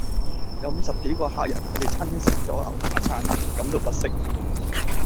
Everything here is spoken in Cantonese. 有五十幾個客人喺你餐廳食咗牛扒餐，感到不適